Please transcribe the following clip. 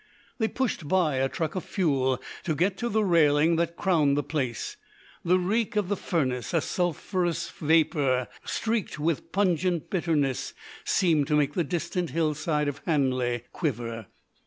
They pushed by a truck of fuel to get to the railing that crowned the place. The reek of the furnace, a sulphurous vapour streaked with pungent bitterness, seemed to make the distant hillside of Hanley quiver.